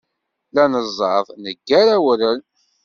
La neẓẓad, neggar awren.